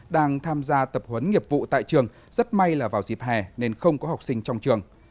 đang tham gia tập huấn nghiệp vụ tại trường rất may là vào dịp hè nên không có học sinh trong trường